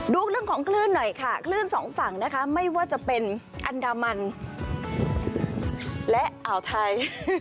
ดูเรื่องของคลื่นหน่อยค่ะคลื่นสองฝั่งนะคะไม่ว่าจะเป็นอันดามันและอ่าวไทย